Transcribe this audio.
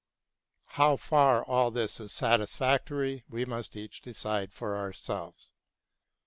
How far all this is satisfactory we must each decide for ourselves.